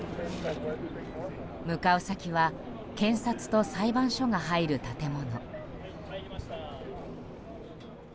向かう先は検察と裁判所が入る建物。